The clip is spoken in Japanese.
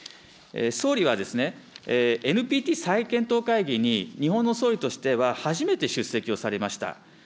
総理はですね、ＮＰＴ再検討会議に日本の総理としては、初めて出席をされました。